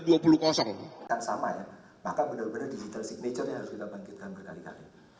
bukan sama ya maka benar benar digital signature nya harus kita bangkitkan berkali kali